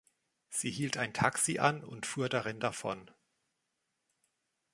Sie hielt ein Taxi an und fuhr darin davon.